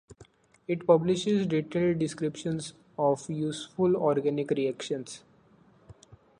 It publishes detailed descriptions of useful organic reactions.